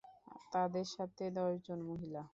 তাদের সাথে দশজন মহিলা।